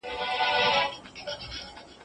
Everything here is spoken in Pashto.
شرکت مخکې ډېر پیاوړی و.